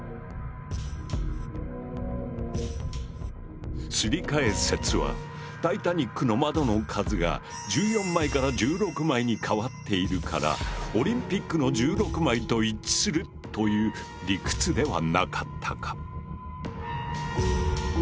確かすり替え説はタイタニックの窓の数が１４枚から１６枚に変わっているからオリンピックの１６枚と一致するという理屈ではなかったか？